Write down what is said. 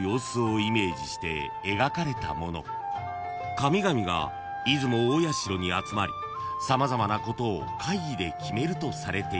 ［神々が出雲大社に集まり様々なことを会議で決めるとされています］